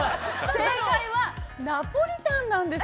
正解は、ナポリタンなんです。